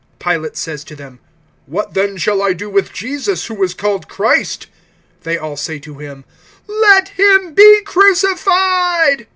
(22)Pilate says to them: What then shall I do with Jesus, who is called Christ? They all say to him: Let him be crucified.